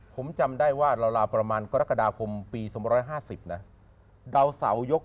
ผมจำได้ว่าเราราวประมาณกรกฎาคมปีสมร้อยห้าสิบนะดาวสาวยก